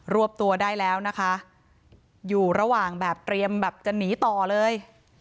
วบตัวได้แล้วนะคะอยู่ระหว่างแบบเตรียมแบบจะหนีต่อเลย